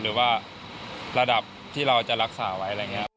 หรือว่าระดับที่เราจะรักษาไว้